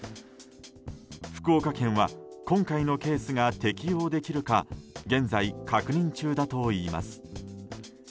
福岡県は今回のケースが適用できるか現在、確認中だといいます。